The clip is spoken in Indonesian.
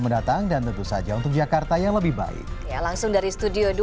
mendatang dan tentu saja untuk jakarta yang lebih baik langsung dari studio dua